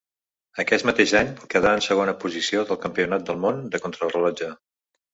Aquest mateix any quedà en segona posició del campionat del món de contrarellotge.